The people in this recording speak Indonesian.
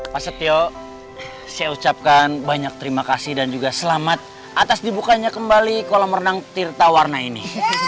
pak setio saya ucapkan banyak terima kasih dan juga selamat atas dibukanya kembali kolam renang tirta warna ini